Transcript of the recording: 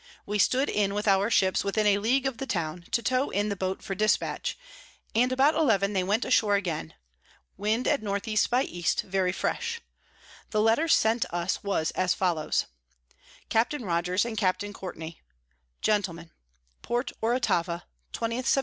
We stood in with our Ships within a League of the Town, to tow in the Boat for Dispatch, and about eleven they went ashore again. Wind at N E by E. very fresh. The Letter sent us was as follows: Capt. Rogers and Capt. Courtney; Gentlemen, Port _Oratava, 20 Sept.